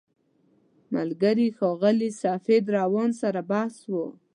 ملګري ښاغلي سفید روان سره بحث و.